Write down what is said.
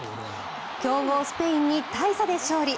強豪スペインに大差で勝利！